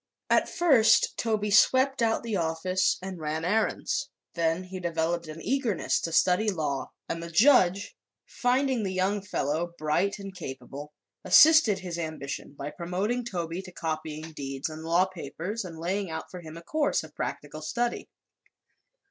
At first Toby swept out the office and ran errands. Then he developed an eagerness to study law, and the judge, finding the young fellow bright and capable, assisted his ambition by promoting Toby to copying deeds and law papers and laying out for him a course of practical study.